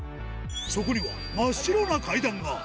そこには真っ白な階段が。